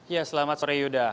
ya selamat sore yuda